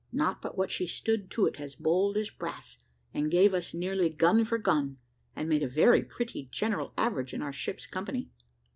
Not but what she stood to it as bold as brass, and gave us nearly gun for gun, and made a very pretty general average in our ship's company.